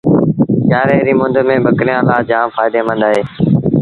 سيٚآري ريٚ مند ميݩ ٻڪريآݩ لآ جآم ڦآئيدي مند اهي